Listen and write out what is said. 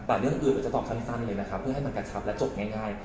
แต่เรื่องอื่นเราจะตอบสั้นเลยนะคะเพื่อให้มันกระชับและจบง่าย